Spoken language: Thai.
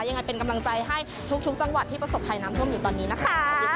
ยังไงเป็นกำลังใจให้ทุกจังหวัดที่ประสบภัยน้ำท่วมอยู่ตอนนี้นะคะ